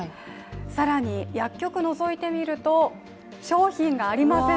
更に薬局をのぞいてみると、商品がありません。